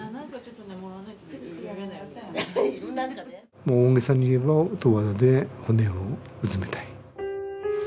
もう大げさに言えば十和田で骨をうずめたい。